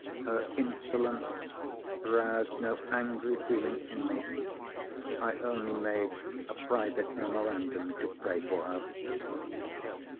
Her insolence roused no angry feeling in me; I only made a private memorandum to pray for her.